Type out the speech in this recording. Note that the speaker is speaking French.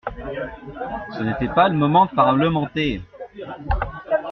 Ce n’était pas le moment de parlementer!